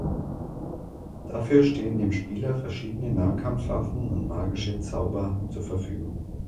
Dafür stehen dem Spieler verschiedene Nahkampfwaffen und magische Zauber zur Verfügung.